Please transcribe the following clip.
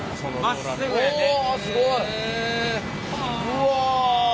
うわ！